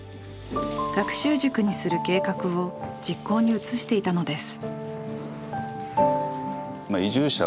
学習塾にする計画を実行に移していたのです。